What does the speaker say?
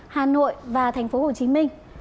hà nội và tp hcm